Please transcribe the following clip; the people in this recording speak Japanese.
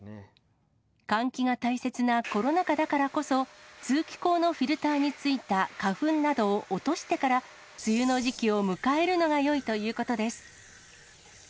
換気が大切なコロナ禍だからこそ、通気口のフィルターについた花粉などを落としてから、梅雨の時期を迎えるのがよいということです。